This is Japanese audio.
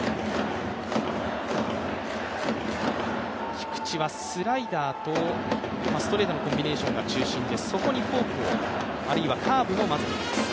菊地はスライダーとストレートのコンビネーションが中心でそこにフォークを、あるいはカーブも混ぜてきます。